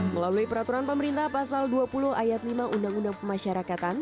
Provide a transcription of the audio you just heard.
melalui peraturan pemerintah pasal dua puluh ayat lima undang undang pemasyarakatan